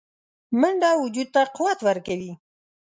منډه وجود ته قوت ورکوي